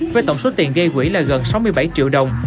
với tổng số tiền gây quỹ là gần sáu mươi bảy triệu đồng